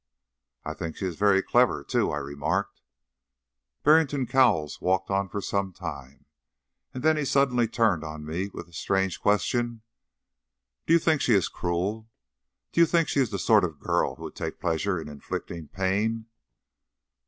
"I think she is very clever too," I remarked. Barrington Cowles walked on for some time, and then he suddenly turned on me with the strange question "Do you think she is cruel? Do you think she is the sort of girl who would take a pleasure in inflicting pain?"